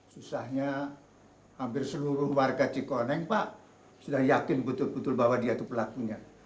susahnya hampir seluruh warga cikoneng pak sudah yakin betul betul bahwa dia itu pelakunya